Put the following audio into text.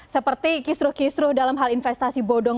seperti kisruh kisru dalam hal investasi bodong